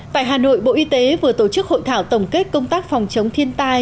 tại hà nội bộ y tế vừa tổ chức hội thảo tổng kết công tác phòng chống thiên tai